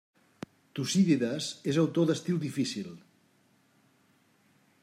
Tucídides és autor d'estil difícil.